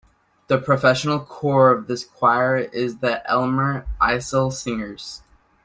The professional core of this choir is the Elmer Iseler Singers.